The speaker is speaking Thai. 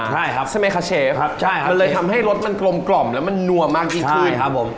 ใช่ครับใช่ไหมคะเชฟมันเลยทำให้รสมันกลมและมันนั่วมากอีกขึ้น